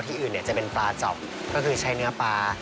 อื่นจะเป็นปลาจอบก็คือใช้เนื้อปลา